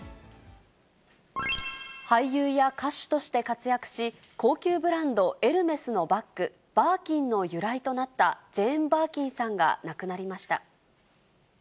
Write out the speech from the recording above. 俳優や歌手として活躍し、高級ブランド、エルメスのバッグ、バーキンの由来となったジェーン・バーキンさんが亡くなりました。